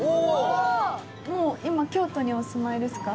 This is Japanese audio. もう今京都にお住まいですか？